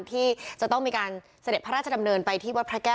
ที่จะต้องมีการเสด็จพระราชดำเนินไปที่วัดพระแก้ว